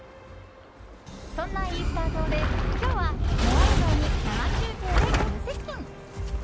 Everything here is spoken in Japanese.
そんなイースター島で今日はモアイ像に生中継で急接近。